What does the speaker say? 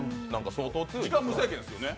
時間無制限ですよね？